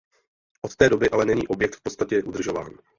Od té doby ale není objekt v podstatě udržován.